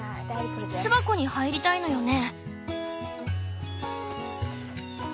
巣箱に入りたいのよね？